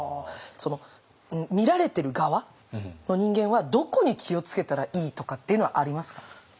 見られてる側の人間はどこに気を付けたらいいとかっていうのはありますか？